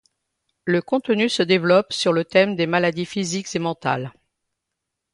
Le contenu se développe sur le thème des maladies physiques et mentales.